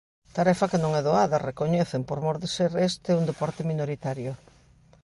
Tarefa que non é doada, recoñecen, por mor de ser este un deporte minoritario.